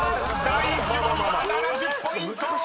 ［第１問は７０ポイント！］